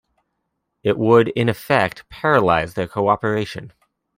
It would, in effect, paralyse their co-operation.